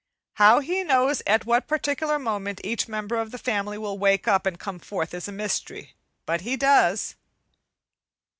How he knows at what particular moment each member of the family will wake up and come forth is a mystery, but he does.